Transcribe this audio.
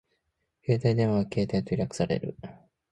携帯電話はケータイと略される